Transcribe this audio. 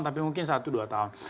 tapi mungkin satu dua tahun